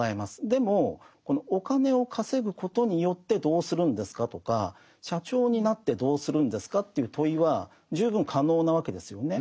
でもお金を稼ぐことによってどうするんですか？とか社長になってどうするんですか？という問いは十分可能なわけですよね。